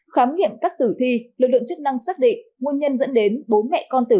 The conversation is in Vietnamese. khám nghiệm các tử thi lực lượng chức năng xác định nguồn nhân dẫn đến bố mẹ con tử